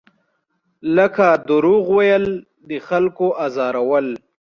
لکه دروغ ویل، د خلکو ازارول.